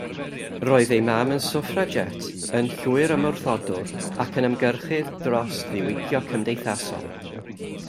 Roedd ei mam yn swffragét, yn llwyrymwrthodwr ac yn ymgyrchydd dros ddiwygio cymdeithasol.